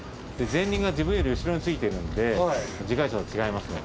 前輪が自分より後ろについているので、自家用車とは違いますね。